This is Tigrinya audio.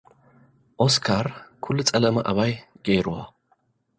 ኦስካር፡ ኲሉ ጸለመ ኣባይ ገይርዎ።